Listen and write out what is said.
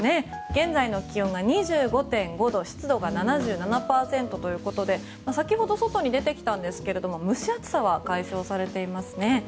現在の気温が２５．５度湿度が７７％ということで先ほど、外に出てきましたが蒸し暑さは解消されていますね。